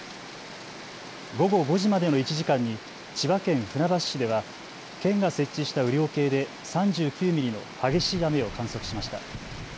午後５時までの１時間に千葉県船橋市では県が設置した雨量計で３９ミリの激しい雨を観測しました。